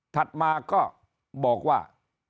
ถัดมาก็บอกว่า